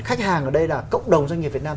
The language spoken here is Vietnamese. khách hàng ở đây là cộng đồng doanh nghiệp việt nam